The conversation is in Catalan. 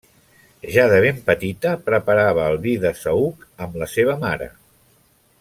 Ja de ben petita preparava el vi de saüc amb la seva mare.